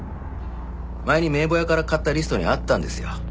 前に名簿屋から買ったリストにあったんですよ。